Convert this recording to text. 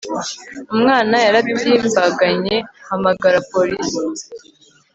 umwana yarabyimbaganye hamagara police